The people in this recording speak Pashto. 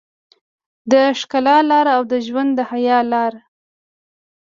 د ښکلا لاره او د ژوند د حيا لاره.